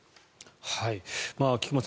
菊間さん